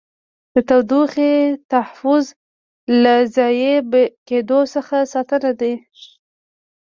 د تودوخې تحفظ له ضایع کېدو څخه ساتنه ده.